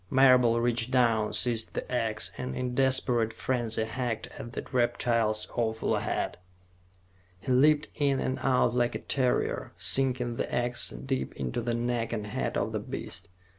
Marable reached down, seized the ax, and in a desperate frenzy hacked at the reptile's awful head. He leaped in and out like a terrier, sinking the ax deep into the neck and head of the beast.